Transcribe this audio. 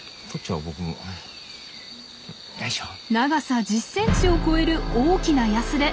長さ１０ｃｍを超える大きなヤスデ。